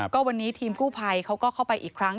ก็วันนี้ทีมกู้ภัยเขาก็เข้าไปอีกครั้ง